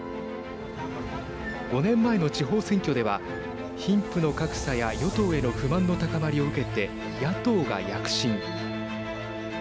５年前の地方選挙では貧富の格差や与党への不満の高まりを受けて野党が躍進。